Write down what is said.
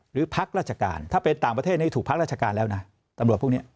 พักราชการถ้าเป็นต่างประเทศนี้ถูกพักราชการแล้วนะตำรวจพวกนี้